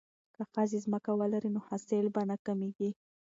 که ښځې ځمکه ولري نو حاصل به نه کمیږي.